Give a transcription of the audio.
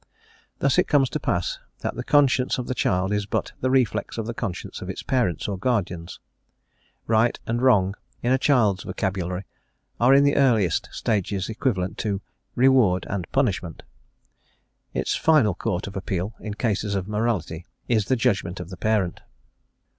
Thus it comes to pass that the conscience of the child is but the reflex of the conscience of its parents or guardians: "right" and "wrong" in a child's vocabulary are in the earliest stages equivalent to "reward" and "punishment;" its final court of appeal in cases of morality is the judgment of the parent.